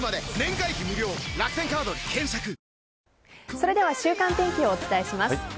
それでは週間天気をお伝えします。